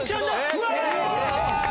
うわ！